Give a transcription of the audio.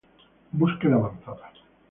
Búsqueda Avanzada